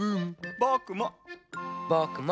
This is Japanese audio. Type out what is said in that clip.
ぼくも！